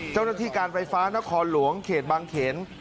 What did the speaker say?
เจ้าหน้าที่การไฟฟ้านครหลวงเขตบางเขน